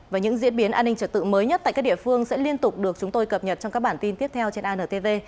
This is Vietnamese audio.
và những diễn biến an ninh trật tự mới nhất tại các địa phương sẽ liên tục được chúng tôi cập nhật trong các bản tin tiếp theo trên antv